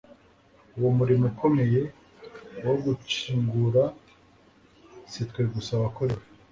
Uwo murimo ukomeye wo guctzngura, sitwe gusa wakorewe